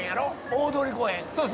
大通公園。